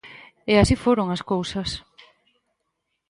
E así foron as cousas.